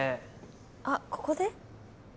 あここで？